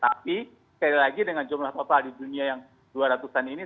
tapi sekali lagi dengan jumlah total di dunia yang dua ratus an ini